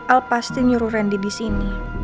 al pasti nyuruh randy disini